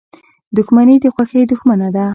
• دښمني د خوښۍ دښمنه ده.